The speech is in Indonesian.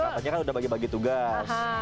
katanya kan udah bagi bagi tugas